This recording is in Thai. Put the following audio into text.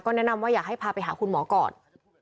แนะนำว่าอยากให้พาไปหาคุณหมอก่อน